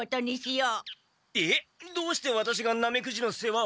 えっどうしてワタシがナメクジの世話を？